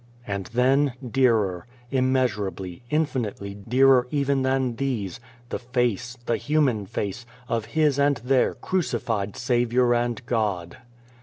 And then, dearer, immeasurably, infinitely dearer even than these, the face, the human face, of his and their crucified Saviour and God